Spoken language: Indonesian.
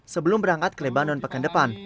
sebelum berangkat ke lebanon pekan depan